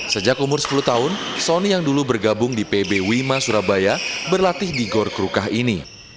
sejak umur sepuluh tahun sony yang dulu bergabung di pb wima surabaya berlatih di gor krukah ini